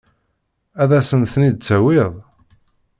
Ad asen-ten-id-tawiḍ?